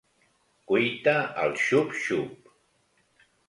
Cuita al xup xup.